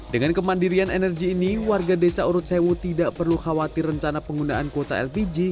dengan kemandirian energi ini warga desa urut sewu tidak perlu khawatir rencana penggunaan kuota lpg